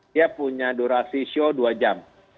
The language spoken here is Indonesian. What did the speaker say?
dia punya durasi show dua jam